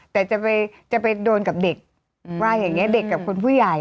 แต่จะไปโดนกับเด็กว่าอย่างนี้เด็กกับคนผู้ใหญ่